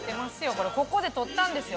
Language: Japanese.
ここで撮ったんですよ